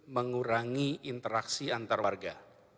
mengurangi interaksi antar warga